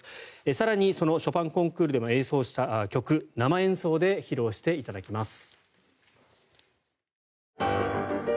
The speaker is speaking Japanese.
更にそのショパンコンクールでも演奏した曲を生演奏で披露していただきます。